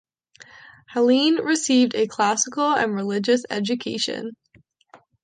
Heline received a classical and religious education.